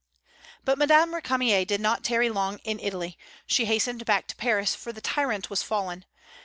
_ But Madame Récamier did not tarry long in Italy, She hastened back to Paris, for the tyrant was fallen.